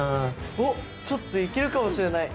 おっちょっといけるかもしれない！